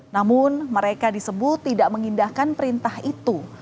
namun mereka disebut tidak mengindahkan perintah itu